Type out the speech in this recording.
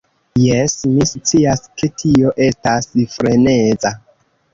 Jes, mi scias ke tio estas freneza